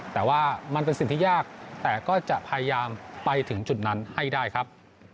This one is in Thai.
แต่ว่ามันเป็นสิ่งที่ยากแต่ก็จะพยายามไปถึงจุดนั้นให้ได้ครับ